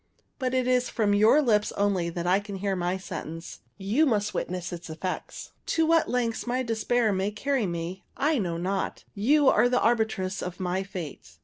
But it is from your lips only that I can hear my sentence. You must witness its effects. To what lengths my despair may carry me I know not. You are the arbitress of my fate.